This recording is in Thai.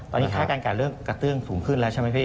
ตอนนี้ค่าการจ่ายเริ่มกระเตื้องสูงขึ้นแล้วใช่ไหมพี่